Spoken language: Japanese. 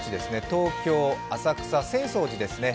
東京・浅草、浅草寺ですね。